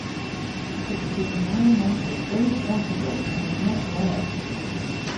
It would be environmentally irresponsible - and would not work.